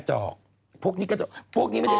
กระจอกพวกนี้กระจอกพวกนี้ไม่ได้ออก